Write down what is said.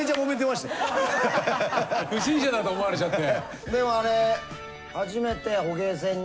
不審者だと思われちゃって。